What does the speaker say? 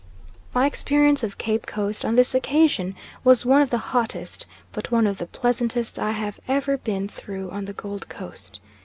My experience of Cape Coast on this occasion was one of the hottest, but one of the pleasantest I have ever been through on the Gold Coast.